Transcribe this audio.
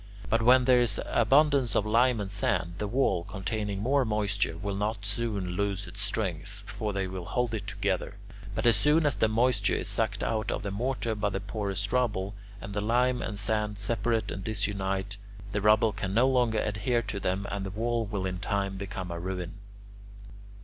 But when there is abundance of lime and sand, the wall, containing more moisture, will not soon lose its strength, for they will hold it together. But as soon as the moisture is sucked out of the mortar by the porous rubble, and the lime and sand separate and disunite, the rubble can no longer adhere to them and the wall will in time become a ruin.